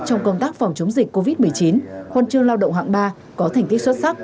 trong công tác phòng chống dịch covid một mươi chín huân chương lao động hạng ba có thành tích xuất sắc